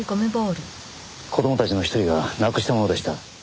子供たちの一人がなくしたものでした。